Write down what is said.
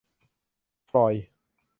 ฟลอยด์